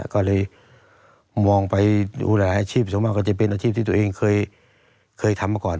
ก็เลยมองไปดูแลอาชีพส่วนมากก็จะเป็นอาชีพที่ตัวเองเคยทำมาก่อน